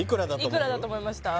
いくらだと思いました？